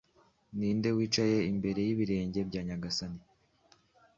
Ninde wicaye imbere yibirenge bya nyagasani